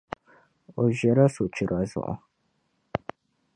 O ʒiɛla sochira zuɣu.